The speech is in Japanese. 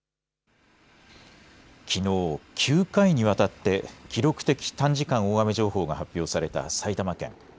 きのう９回にわたって記録的短時間大雨情報が発表された埼玉県。